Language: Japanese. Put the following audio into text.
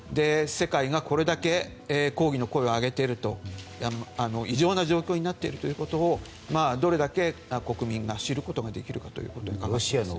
世界がこれだけ抗議の声を上げていると異常な状況になっていることをどれだけ国民が知ることができるかですね。